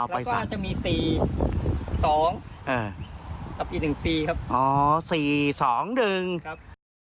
อ๋อไปสักแล้วก็จะมี๔๒กับอีก๑ปีครับ